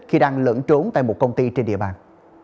khi đang lẫn trốn tại một công ty trên địa bàn